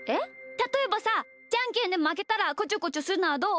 たとえばさじゃんけんでまけたらこちょこちょするのはどう？